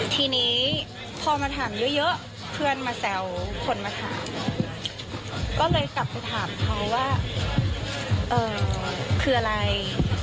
ทีนี้พอมาถามเยอะเพื่อนมาแซวคนมาถามก็เลยกลับไปถามเขาว่าคืออะไร